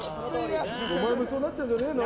お前もそうなっちゃうんじゃねえの？